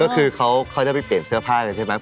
เขาจะไปเปลี่ยนเสื้อผ้าใช่ไหม